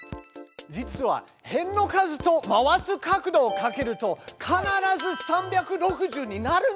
実は辺の数と回す角度をかけると必ず３６０になるんです！